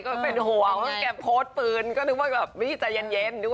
ก็แบบโพสต์ปืนก็ไม่ได้ใจเย็น